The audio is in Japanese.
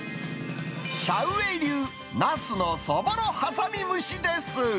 シャウ・ウェイ流、ナスのそぼろ挟み蒸しです。